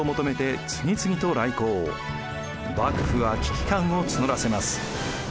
幕府は危機感を募らせます。